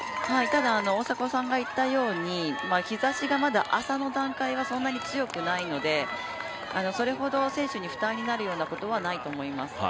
ただ、日ざしがまだ朝の段階はそんなに強くないので、それほど選手に負担になることはないと思います。